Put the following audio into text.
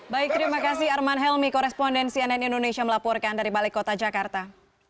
baik terima kasih arman helmi korespondensi nn indonesia melaporkan dari balai kota jakarta